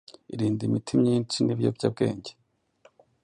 irinde imiti myinshi n’ ibiyobyabwenge